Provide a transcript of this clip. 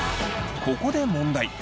ここで問題。